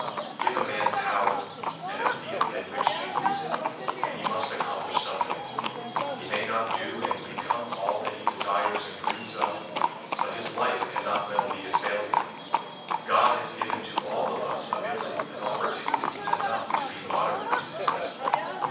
Give a man power, and a field in which to use it, and he must accomplish something. He may not do and become all that he desires and dreams of, but his life can not well be a failure. God has given to all of us ability and opportunity enough to be moderately successful.